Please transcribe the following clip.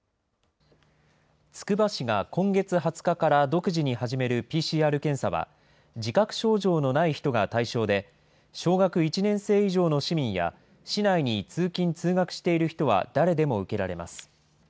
つくば市が今月２０日から独自に始めるＰＣＲ検査は、自覚症状のない人が対象で、小学１年生以上の市民や、市内に通勤・通学している人は誰でも受けられます。